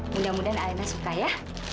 mudah mudahan airnya suka ya